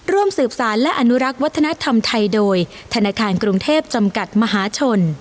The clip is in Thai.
ร่วมสืบสารและอนุรักษ์วัฒนธรรมไทยโดยธนาคารกรุงเทพจำกัดมหาชน